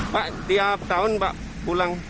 pak tiap tahun pak pulang